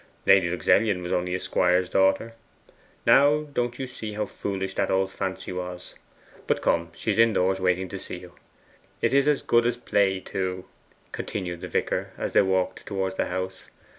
Lady Luxellian was only a squire's daughter. Now, don't you see how foolish the old fancy was? But come, she is indoors waiting to see you. It is as good as a play, too,' continued the vicar, as they walked towards the house.